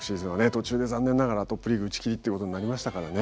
途中で残念ながらトップリーグ打ち切りっていうことになりましたからね